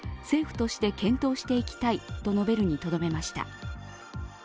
政府として検討していきたいと述べるにとどめました。